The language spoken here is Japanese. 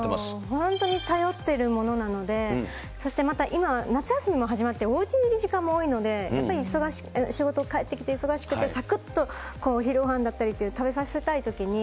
本当に頼ってるものなので、そしてまた、今、夏休みも始まって、おうちにいる時間も多いので、やっぱり仕事帰ってきて、忙しくて、さくっと昼ごはんだったり、食べさせたいときに。